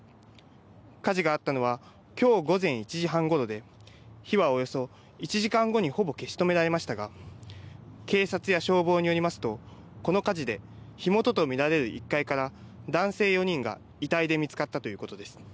火事があったのはきょう午前１時半ごろで火はおよそ１時間後にほぼ消し止められましたが警察や消防によりますとこの火事で火元と見られる１階から男性４人が遺体で見つかったということです。